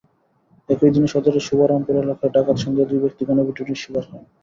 একই দিনে সদরের শোভারামপুর এলাকায় ডাকাত সন্দেহে দুই ব্যক্তি গণপিটুনির শিকার হয়।